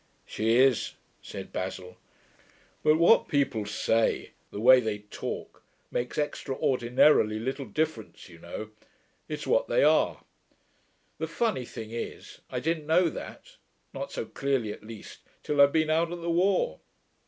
'She is,' said Basil. 'But what people say the way they talk makes extraordinarily little difference, you know. It's what they are.... The funny thing is, I didn't know that, not so clearly, at least, till I'd been out at the war.